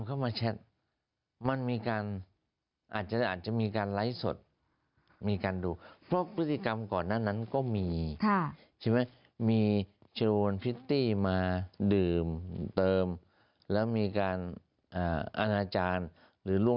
เขาส่งมาที่ฝ่ายนั้น